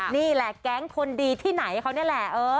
นี่แหละแก๊งคนดีที่ไหนเขานี่แหละ